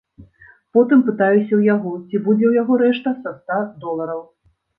Потым пытаюся ў яго, ці будзе ў яго рэшта са ста долараў.